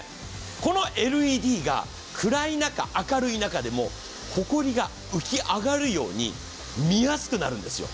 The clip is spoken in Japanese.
このＬＥＤが暗い中、明るい中でもほこりが浮き上がるように見やすくなるんです。